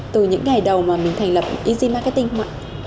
từ những ngày đầu mà mình thành lập easy marketing không ạ